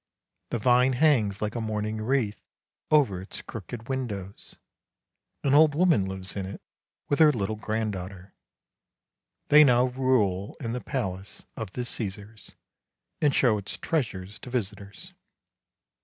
The vine hangs like a mourning wreath over its crooked windows. An old woman lives in it with her little granddaughter; they now rule in the palace of the Caesars, and show its treasures to visitors.